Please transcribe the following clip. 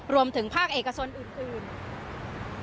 รวมถึงภาคเอกชนอื่น